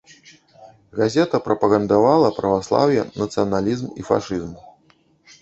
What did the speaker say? Газета, прапагандавала праваслаўе, нацыяналізм і фашызм.